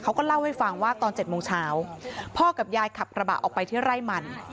เขาก็เล่าให้ฟังว่าตอน๗โมงเช้าพ่อกับยายขับกระบะออกไปที่ไร่มัน